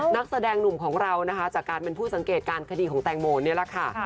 นักแสดงหนุ่มของเรานะคะจากการเป็นผู้สังเกตการณ์คดีของแตงโมนี่แหละค่ะ